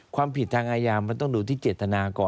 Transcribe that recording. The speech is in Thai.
ความผิดทางอาญามันต้องดูที่เจตนาก่อน